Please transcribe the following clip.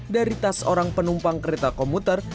dari tas orang penumpang kereta komuter